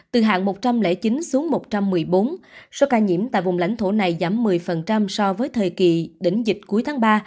từ hạng một trăm linh chín xuống một trăm một mươi bốn số ca nhiễm tại vùng lãnh thổ này giảm một mươi so với thời kỳ đỉnh dịch cuối tháng ba